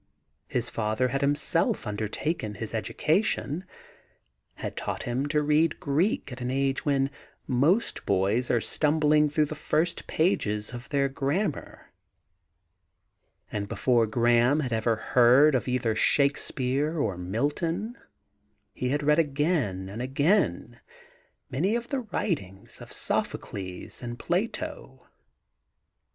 His father had him self undertaken his education, had taught him to read Greek at an age when most boys are stumbling through the first page of their grammar, and before Graham bad ever heard of either Shakespeare or 9 THE GARDEN GOD Milton, he had read again and again many of the writings of Sophocles and Plato.